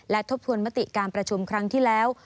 และทบทวนมติการประชุมครั้งที่แล้ว